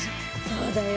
そうだよ。